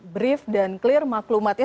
brief dan clear maklumatnya